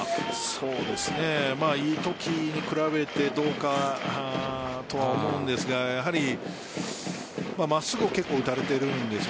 そうですねいいときに比べてどうかとは思うんですが真っすぐを結構打たれているんです。